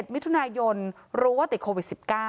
มิถุนายนรู้ว่าติดโควิด๑๙